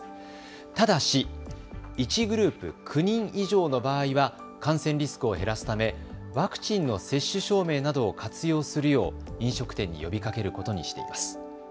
ただし、１グループ９人以上の場合は感染リスクを減らすためワクチンの接種証明などを活用するよう飲食店に呼びかけることにしています。